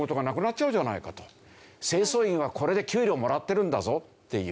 清掃員はこれで給料もらってるんだぞっていう。